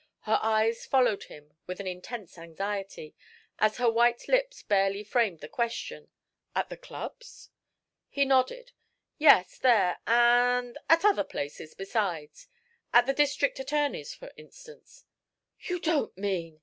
Her eyes followed him with an intense anxiety, as her white lips barely framed the question: "At the clubs?" He nodded. "Yes, there, and at other places besides. At the District Attorney's, for instance" "You don't mean?"